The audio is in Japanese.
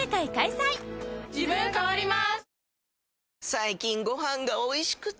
最近ご飯がおいしくて！